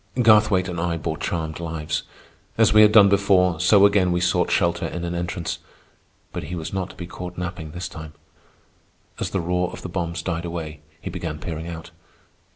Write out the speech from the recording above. Garthwaite and I bore charmed lives. As we had done before, so again we sought shelter in an entrance. But he was not to be caught napping this time. As the roar of the bombs died away, he began peering out.